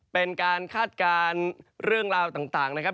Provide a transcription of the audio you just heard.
คาดการณ์เรื่องราวต่างนะครับ